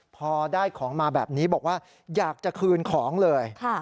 พอได้ของมาแบบนี้บอกว่าอยากจะคืนของเลย